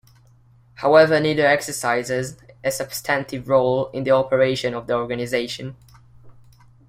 However neither exercises a substantive role in the operation of the organization.